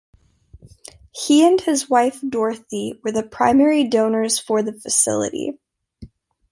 He and his wife, Dorothy, were the primary donors for the facility.